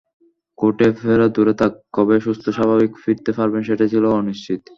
কোর্টে ফেরা দূরে থাক, কবে সুস্থ-স্বাভাবিক ফিরতে পারবেন সেটাই ছিল অনিশ্চিত।